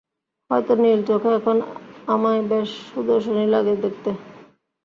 হয়তো নীল চোখে এখন আমায় বেশ সুদর্শনই লাগে দেখতে!